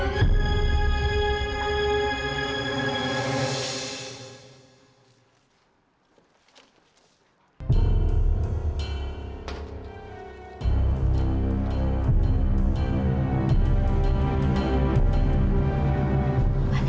sama seperti kamu